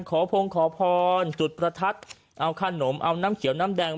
พงขอพรจุดประทัดเอาขนมเอาน้ำเขียวน้ำแดง